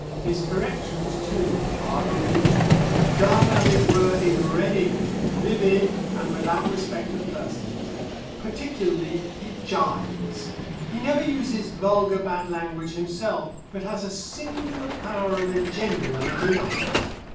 His corrections, too, are Olympian, done, as it were, in red ink, vivid, and without respect of persons. Particularly he gibes. He never uses vulgar bad language himself, but has a singular power of engendering it in others.